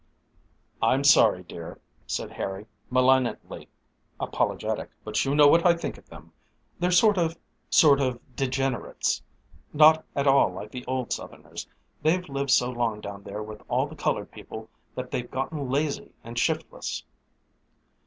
"I'm sorry, dear," said Harry, malignantly apologetic, "but you know what I think of them. They're sort of sort of degenerates not at all like the old Southerners. They've lived so long down there with all the colored people that they've gotten lazy and shiftless."